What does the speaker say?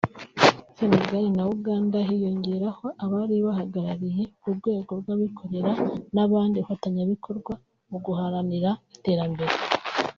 Senegal na Uganda hiyongeraho abari bahagarariye urwego rw’abikorera n’abandi bafatanyabikorwa mu guharanira iterambere